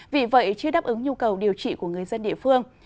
vì vậy chưa đáp ứng nhu cầu điều trị của người dân địa phương